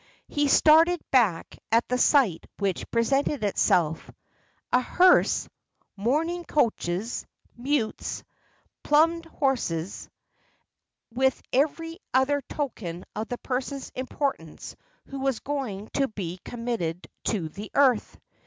He started back at the sight which presented itself. A hearse mourning coaches mutes plumed horses with every other token of the person's importance who was going to be committed to the earth.